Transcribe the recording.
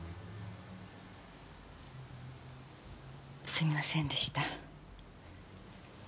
すみませんでした。